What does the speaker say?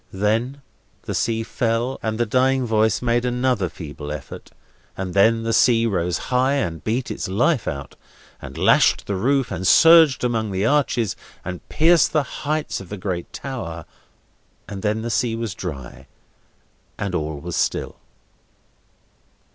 Then, the sea fell, and the dying voice made another feeble effort, and then the sea rose high, and beat its life out, and lashed the roof, and surged among the arches, and pierced the heights of the great tower; and then the sea was dry, and all was still.